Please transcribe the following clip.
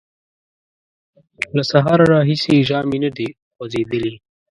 له سهاره راهیسې یې ژامې نه دې خوځېدلې!